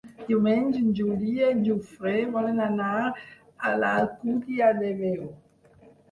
Diumenge en Juli i en Guifré volen anar a l'Alcúdia de Veo.